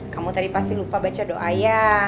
kamu tadi pasti lupa baca doa ya